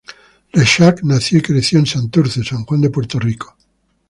Rexach nació y creció en Santurce, San Juan de Puerto Rico.